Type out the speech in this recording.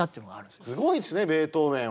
すごいですねベートーベンは。